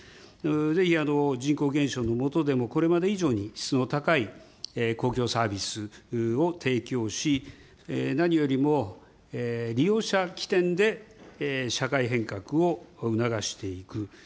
ぜひ、人口減少の下でもこれまで以上に、質の高い公共サービスを提供し、何よりも利用者きてんで社会変革を促していく。